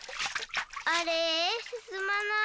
あれすすまない。